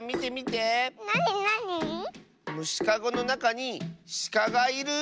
むしかごのなかにしかがいる。